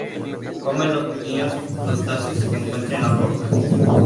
Come los pequeños crustáceos que encuentra en las rocas.